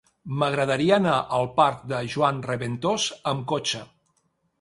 M'agradaria anar al parc de Joan Reventós amb cotxe.